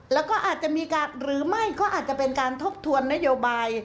แล้วก็อาจจะมีการหรือไม่ก็อาจจะเป็นการทบทวนนโยบาย